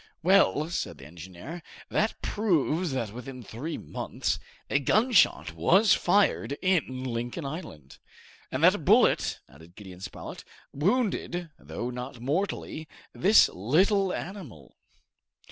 "Well," said the engineer, "that proves that within three months a gun shot was fired in Lincoln Island." "And that a bullet," added Gideon Spilett, "wounded, though not mortally, this little animal."